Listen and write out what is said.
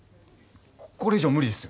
これ以上は無理ですよ。